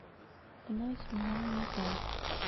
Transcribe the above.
— Бына, исмаһам, яза!